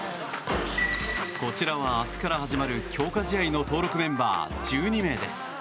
こちらは明日から始まる強化試合の登録メンバー１２名です。